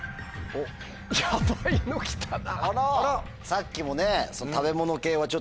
さっきもね。